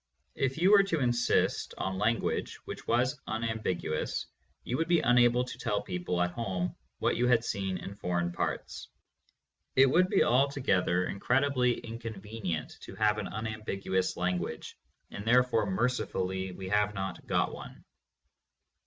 If you were to insist on language which was unam biguous, you would be unable to tell people at home what you had seen in foreign parts. It would be altogether in credibly inconvenient to have an unambiguous language, and therefore mercifully we have not got one.